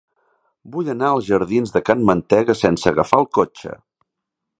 Vull anar als jardins de Can Mantega sense agafar el cotxe.